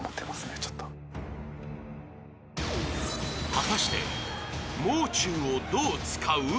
［果たしてもう中をどう使う？］